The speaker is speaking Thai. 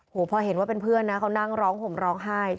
พอเห็นว่าเป็นเพื่อนนะเขานั่งร้องห่มร้องไห้